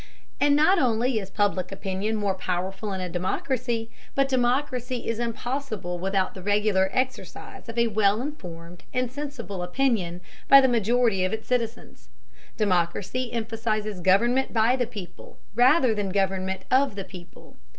And not only is Public Opinion more powerful in a democracy, but democracy is impossible without the regular exercise of a well informed and sensible opinion by the majority of its citizens. Democracy emphasizes government by the people rather than government of the people.